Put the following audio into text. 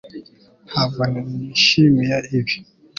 Ntabwo nishimiye ibi